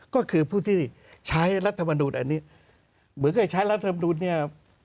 ก็คือผู้ที่ใช้รัฐมนุนอันนี้เหมือนกับใช้รัฐธรรมนุนเนี่ย